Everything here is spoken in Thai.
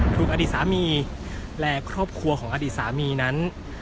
อดีตสามีและครอบครัวของอดีตสามีนั้น